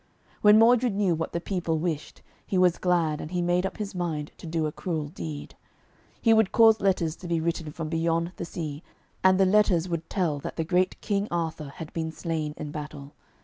When Modred knew what the people wished, he was glad, and he made up his mind to do a cruel deed. He would cause letters to be written from beyond the sea, and the letters would tell that the great King Arthur had been slain in battle.